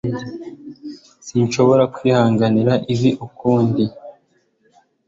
sinshobora kwihanganira ibi ukundi